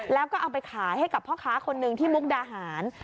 แล้วก็เอาไปขายให้กับพ่อค้าคนหนึ่งที่มุกดาหาร